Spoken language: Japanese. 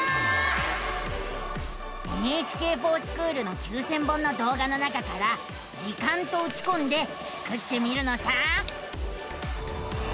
「ＮＨＫｆｏｒＳｃｈｏｏｌ」の９，０００本のどう画の中から「時間」とうちこんでスクってみるのさ！